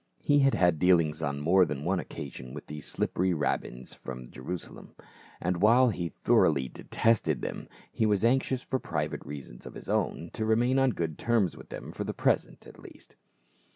He had had dealings on more than one occasion with these slippery rabbins from Jerusalem, and while he thor oughly detested them, he was anxious for private rea sons of his own to remain on good terms with them for the present at least.